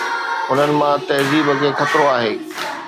انهن مان تهذيب کي خطرو آهي